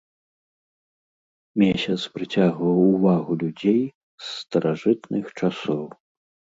Месяц прыцягваў увагу людзей з старажытных часоў.